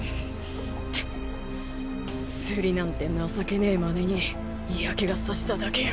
スリなんて情けねえまねに嫌気が差しただけよ。